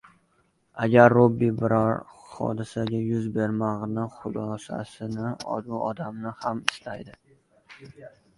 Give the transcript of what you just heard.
Agar Robbi biror hodisa yuz bermog‘ini xohlasa, u odam ham istaydi.